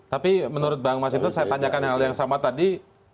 tapi menurut bang mas hinton saya tanyakan hal yang sama tadi